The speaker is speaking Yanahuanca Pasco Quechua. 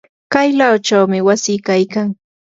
kaylachawmi wasi kaykan.